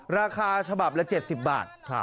ราคาฉบับละ๗๐บาท